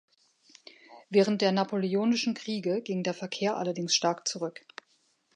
Während der napoleonischen Kriege ging der Verkehr allerdings stark zurück.